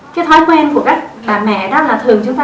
cái thói quen của các bà mẹ đó là thường chúng ta